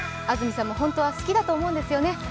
安住さんも本当は好きだと思うんですよね。